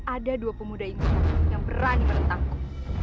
ada dua pemuda ingusan yang berani bertangku